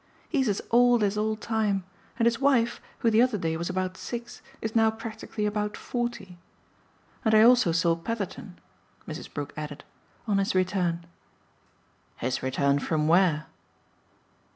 He's as old as all time, and his wife, who the other day was about six, is now practically about forty. And I also saw Petherton," Mrs. Brook added, "on his return." "His return from where?"